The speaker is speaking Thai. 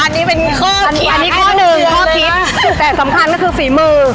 อันนี้เป็นข้อคิดอันนี้ข้อหนึ่งข้อคิดแต่สำคัญก็คือฝีมือ